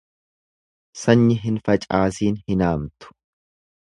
Sanyi hin facaasin hin haamtu.